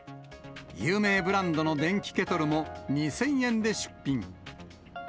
有名ブランドの電気ケトルも２０００円で出品。